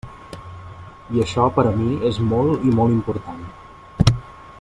I això per a mi és molt i molt important.